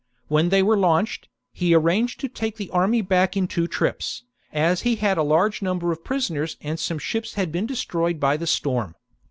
When they were launched, he arranged to take the army back in two trips, as he had a large number of prisoners and some ships had been destroyed by the storm.